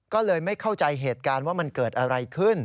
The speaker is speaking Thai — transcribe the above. ก็เลยไม่เข้าใจเหตุการณ์ว่ามันเกิดอะไรขึ้น